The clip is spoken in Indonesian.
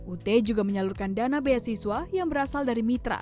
ut juga menyalurkan dana beasiswa yang berasal dari mitra